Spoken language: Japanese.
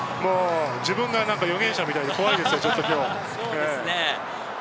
自分が予言者みたいで怖いですけど、ちょっと今日。